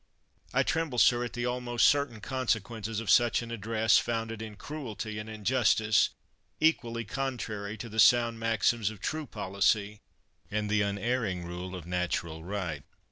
I tremble, sir, at the almost certain conse quences of such an address, founded in cruelty and injustice, equally contrary to the sound maxims of true policy, and the unerring rule of natural right.